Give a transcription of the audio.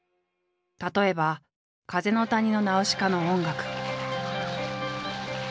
例えば「風の谷のナウシカ」の音楽。